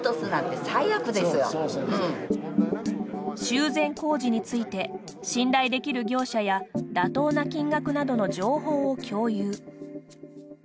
修繕工事について信頼できる業者や妥当な金額などの情報を共有。